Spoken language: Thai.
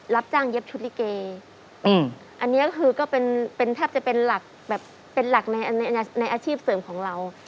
รับจ้างเย็บชุดลิเกย์อันนี้ก็คือแทบจะเป็นหลักในอาชีพเสริมของเรา